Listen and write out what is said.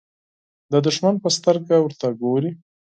د دښمن په سترګه ورته ګوري.